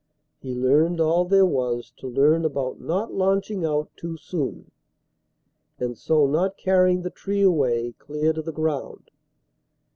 He learned all there was To learn about not launching out too soon And so not carrying the tree away Clear to the ground.